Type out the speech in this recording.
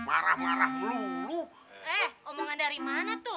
eh omongan dari mana tuh